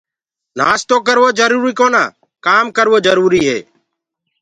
نآستو ڪروو جروُري ڪونآ ڪآم ڪروو جَروُري هي۔